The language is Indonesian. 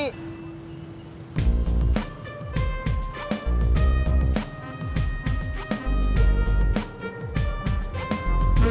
kalau beli beli aja